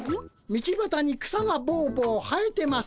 「道ばたに草がぼうぼう生えてます」。